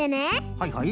はいはい。